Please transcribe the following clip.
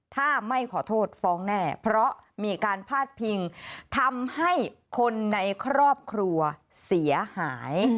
ถ้าไม่ขอโทษฟ้องแน่เพราะมีการพาดพิงทำให้คนในครอบครัวเสียหาย